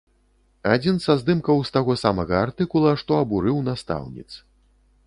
Адзін са здымкаў з таго самага артыкула, што абурыў настаўніц.